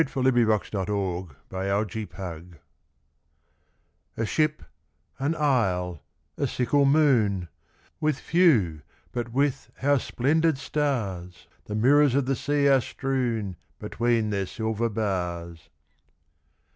174 A Ship^ an Isle, a Sickle Moon A ship, an isle, a sickle moon — With few but with how splendid stars The mirrors of the sea are strewn Between their silver bars